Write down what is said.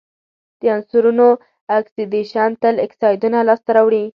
د عنصرونو اکسیدیشن تل اکسایدونه لاسته راوړي.